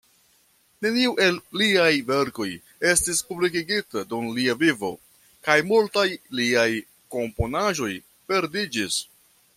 Neniu el liaj verkoj estis publikigita dum lia vivo, kaj multaj liaj komponaĵoj perdiĝis.